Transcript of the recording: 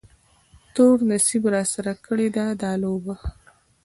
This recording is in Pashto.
تور نصیب راسره کړې ده دا لوبه